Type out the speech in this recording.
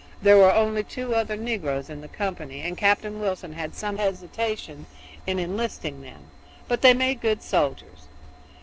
There were only two other negroes in the company, and Captain Wilson had some hesitation in enlisting them, but they made good soldiers.